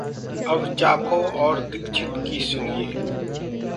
अब चाको और दीक्षित की सुनिए!